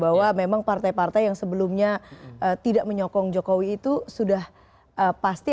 bahwa memang partai partai yang sebelumnya tidak menyokong jokowi itu sudah pasti